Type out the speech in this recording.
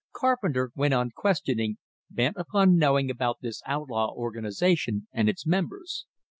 Carpenter went on questioning, bent upon knowing about this outlaw organization and its members.